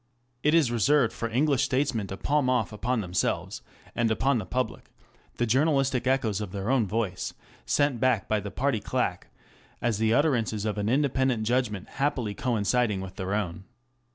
It is reserved for English states men to palm off upon themselves and upon the public the journalistic echoes of their own voice, sent back by the party claque, as the utterances of an independent judgment happily coinciding with their own.